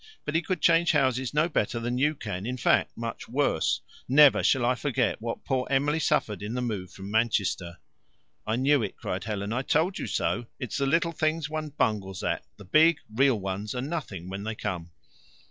But he could change houses no better than you can, in fact, much worse. Never shall I forget what poor Emily suffered in the move from Manchester." "I knew it," cried Helen. "I told you so. It is the little things one bungles at. The big, real ones are nothing when they come."